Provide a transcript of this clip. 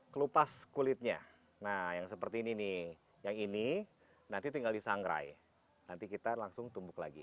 kelupas kulitnya nah yang seperti ini nih yang ini nanti tinggal disangrai nanti kita langsung tumbuk lagi